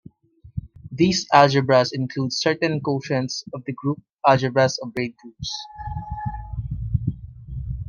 These algebras include certain quotients of the group algebras of braid groups.